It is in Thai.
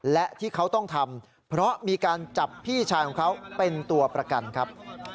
และที่เขาต้องทำเพราะมีการจับพี่ชายของเขาเป็นตัวประกันครับ